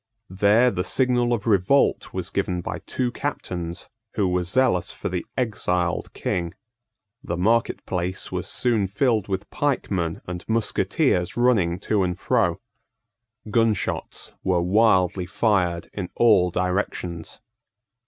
There the signal of revolt was given by two captains who were zealous for the exiled King. The market place was soon filled with pikemen and musketeers running to and fro. Gunshots were wildly fired in all directions.